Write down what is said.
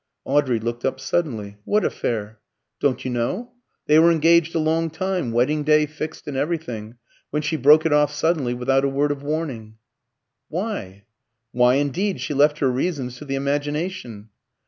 Audrey looked up suddenly, "What affair?" "Don't you know? They were engaged a long time, wedding day fixed and everything, when she broke it off suddenly, without a word of warning." "Why?" "Why indeed! She left her reasons to the imagination."